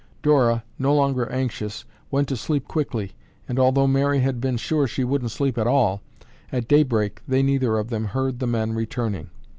Dora, no longer anxious, went to sleep quickly and although Mary had been sure she wouldn't sleep at all, at daybreak they neither of them heard the men returning.